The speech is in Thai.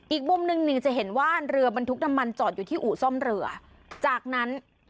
อีกมุมหนึ่งหนึ่งจะเห็นว่าเรือบรรทุกน้ำมันจอดอยู่ที่อู่ซ่อมเรือจากนั้น